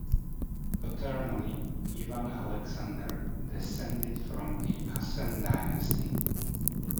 Paternally, Ivan Alexander descended from the Asen dynasty.